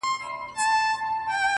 بيا هغې پر سپين ورغوي داسې دې ليکلي”